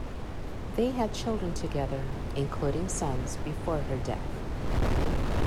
They had children together, including sons, before her death.